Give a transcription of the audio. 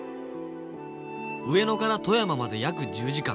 上野から富山まで約１０時間。